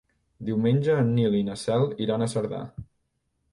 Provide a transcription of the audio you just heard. Diumenge en Nil i na Cel iran a Cerdà.